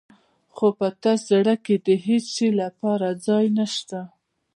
خو په تش زړه کې د هېڅ شي لپاره ځای نه شته.